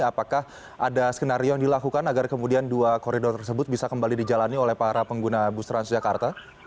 apakah ada skenario yang dilakukan agar kemudian dua koridor tersebut bisa kembali dijalani oleh para pengguna bus transjakarta